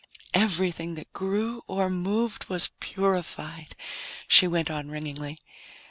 "Everything that grew or moved was purified," she went on ringingly.